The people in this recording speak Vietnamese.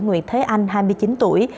nguyễn thế anh hai mươi chín tuổi